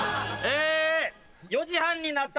えっ？